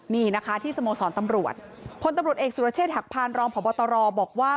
นี่นะคะที่สโมสรตำรวจพลตำรวจเอกสุรเชษฐหักพานรองพบตรบอกว่า